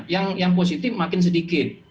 yang positif makin sedikit